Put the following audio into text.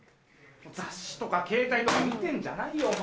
雑誌とかケータイとか見てんじゃないよお前。